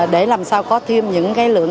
để làm sao có thêm những cái lượng